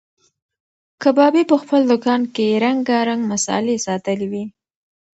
کبابي په خپل دوکان کې رنګارنګ مسالې ساتلې وې.